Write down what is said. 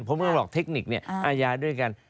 ผมไม่บอกเทคนิคเนี่ยอัญญาด้วยกัน